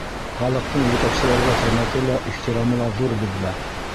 Халыҡтың етәкселәргә хөрмәте лә, ихтирамы ла ҙур беҙҙә.